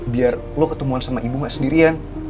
biar lo ketemuan sama ibu gak sendirian